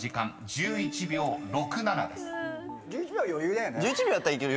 １１秒あったらいける。